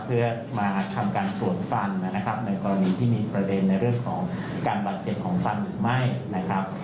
เพื่อมาทำการสวนฟันนะครับในกรณีที่มีประเด็นในเรื่องของการบาดเจ็บของฟันหรือไม่นะครับ